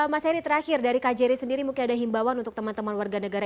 mas eri terakhir dari kak jerry sendiri mungkin ada himbawan untuk teman teman warga kota chicago